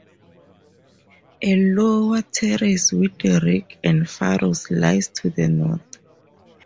A lower terrace with rig and furrow lies to the north.